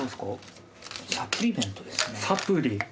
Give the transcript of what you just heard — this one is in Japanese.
サプリ。